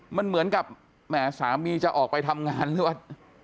มันเหมือนกับแหมสามีจะออกไปทำงานหรือว่า